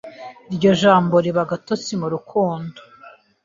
iryo jambo riba agatosi mu rukundo